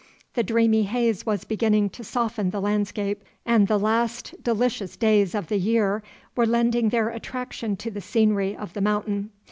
The dreamy haze was beginning to soften the landscape, and the mast delicious days of the year were lending their attraction to the scenery of The Mountain.